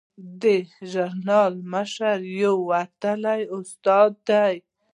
د دې ژورنال مشره یوه وتلې استاده ده.